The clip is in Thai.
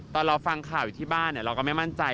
ตอนเราฟังข่าวอยู่ที่บ้านเราก็ไม่มั่นใจ